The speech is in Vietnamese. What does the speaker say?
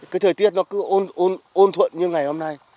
cái thời tiết nó cứ ôn thuận như ngày hôm nay